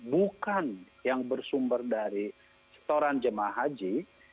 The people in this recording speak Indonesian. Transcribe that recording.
bukan yang bersumber dari setoran jemaah haji